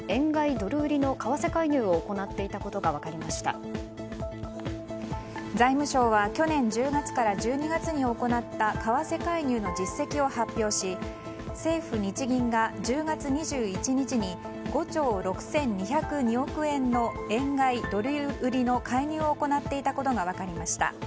ドル売りの為替介入を行っていたことが財務省は去年１０月から１２月に行った為替介入の実績を発表し政府・日銀が１０月２１日に５兆６２０２億円の円買いドル売りの介入を行っていたことが分かりました。